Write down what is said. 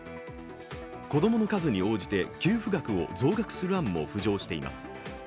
子供の数に応じて給付額を増額する案も浮上しています。